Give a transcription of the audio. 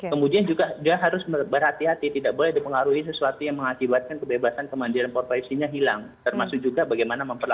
kemudian juga dia harus berhati hati tidak boleh dipengalami